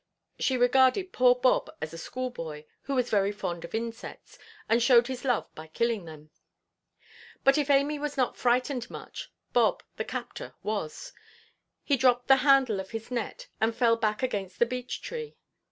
She regarded poor Bob as a schoolboy, who was very fond of insects, and showed his love by killing them. But if Amy was not frightened much, Bob, the captor, was. He dropped the handle of his net, and fell back against the beech–tree.